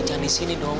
jangan di sini dong